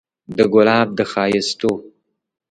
د ګلاب د ښايستو